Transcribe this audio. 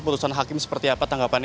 putusan hakim seperti apa tanggapannya